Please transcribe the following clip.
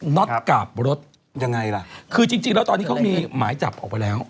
็อตกลับรถยังไงล่ะคือจริงแล้วตอนนี้เขามีหมายจับออกไปแล้ว